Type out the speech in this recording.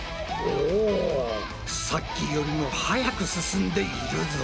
おさっきよりも速く進んでいるぞ。